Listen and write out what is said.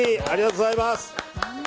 ありがとうございます。